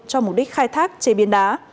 cho mục đích khai thác chế biến đá